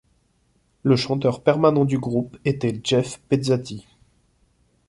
Le chanteur permanent du groupe était Jeff Pezzati.